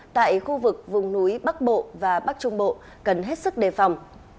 tại khu vực vùng núi bắc bộ và bắc trung bộ cần hết sức đề phòng